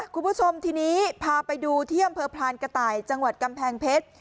คุณผู้ชมทีนี้พาไปดูที่อำเภอพรานกระต่ายจังหวัดกำแพงเพชร